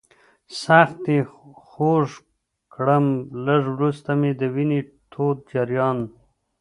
سخت یې خوږ کړم، لږ وروسته مې د وینې تود جریان.